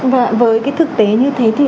và với thực tế như thế